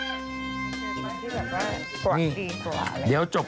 เหมือนกันอย่างน้อยเหมือนกันอย่างน้อย